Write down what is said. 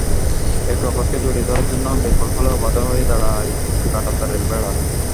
একে অপরকে জড়িয়ে ধরার জন্য ব্যাকুল হলেও বাধা হয়ে দাঁড়ায় কাঁটাতারের বেড়া।